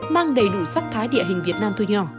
mang đầy đủ sắc thái địa hình việt nam thu nhỏ